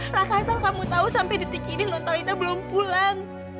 raka asal kamu tahu sampai detik ini nontalita belum pulang